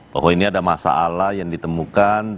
bahwa ini ada masalah yang ditemukan